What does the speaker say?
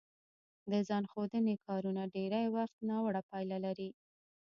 د ځان ښودنې کارونه ډېری وخت ناوړه پایله لري